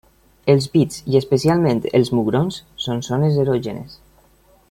Els pits, i especialment els mugrons, són zones erògenes.